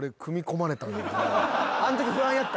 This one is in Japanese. あんとき不安やった？